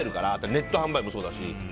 ネット販売もそうだし。